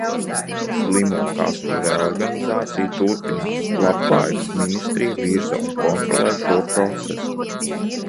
Slimokasu reorganizācija turpinās, Labklājības ministrija virza un kontrolē šo procesu.